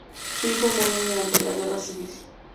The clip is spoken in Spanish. Su hijo murió durante la guerra civil.